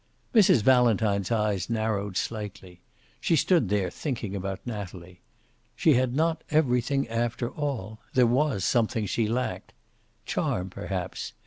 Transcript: Mrs. Valentine's eyes narrowed slightly. She stood there, thinking about Natalie. She had not everything, after all. There was something she lacked. Charm, perhaps.